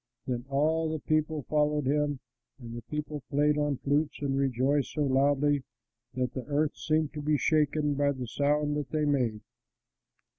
Then all the people followed him and the people played on flutes and rejoiced so loudly that the earth seemed to be shaken by the sound that they made.